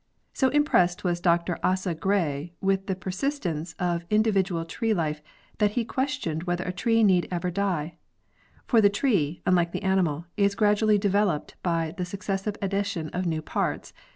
So impressed was Dr Asa Gray with the persistence of indi vidual tree life that he questioned whether a tree need ever die: 'For the tree [unlike the animal] is gradually developed by the successive addition of new parts.